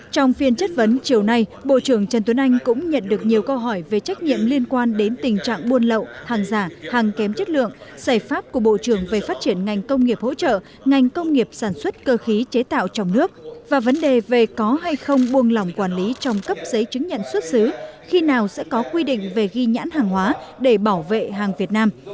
trong phiên chất vấn chiều nay bộ trưởng trần tuấn anh cũng nhận được nhiều câu hỏi về trách nhiệm liên quan đến tình trạng buôn lậu hàng giả hàng kém chất lượng giải pháp của bộ trưởng về phát triển ngành công nghiệp hỗ trợ ngành công nghiệp sản xuất cơ khí chế tạo trong nước và vấn đề về có hay không buôn lỏng quản lý trong cấp giấy chứng nhận xuất xứ khi nào sẽ có quy định về ghi nhãn hàng hóa để bảo vệ hàng việt nam